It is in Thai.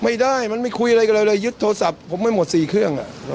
ไม่ได้มันไม่คุยอะไรกับเราเลยยึดโทรศัพท์ผมไม่หมด๔เครื่อง